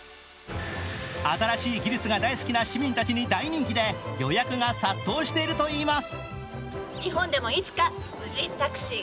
新しい技術が大好きな市民たちに大人気で予約が殺到しているといいます。